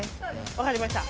分かりました。